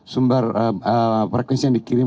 sumber frekuensi yang dikirim